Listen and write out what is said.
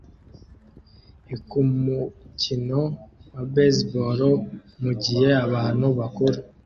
l kumukino wa baseball mugihe abantu bakuru